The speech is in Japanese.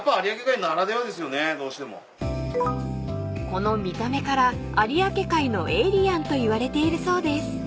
［この見た目から有明海のエイリアンといわれているそうです］